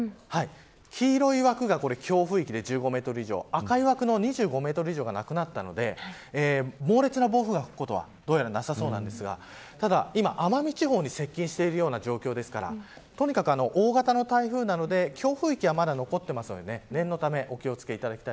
黄色い枠が強風域で１５メートル以上赤い枠の２５メートル以上がなくなったので猛烈な暴風が吹くことはなさそうなんですが今、奄美地方に接近している状況ですからとにかく、大型の台風なので強風域はまだ残っています。